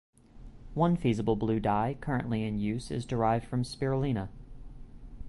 One feasible blue dye currently in use is derived from spirulina.